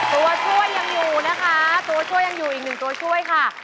ตัวช่วยยังอยู่นะคะตัวช่วยยังอยู่อีกหนึ่งตัวช่วยค่ะ